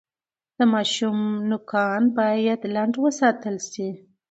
د ماشوم نوکان باید لنډ وساتل شي۔